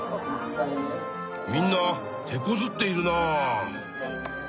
みんなてこずっているな。